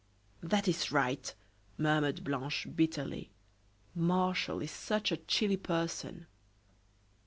"That is right," murmured Blanche, bitterly; "Martial is such a chilly person!"